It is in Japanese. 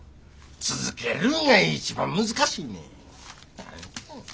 続けるんが一番難しいねん。